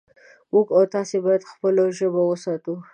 موږ او تاسې باید خپله ژبه وساتو